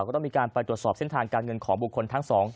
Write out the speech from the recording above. ก็ต้องมีการไปตรวจสอบเส้นทางการเงินของบุคคลทั้งสอง